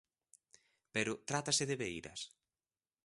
Pero, trátase de Beiras?